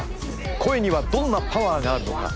声にはどんなパワーがあるのか？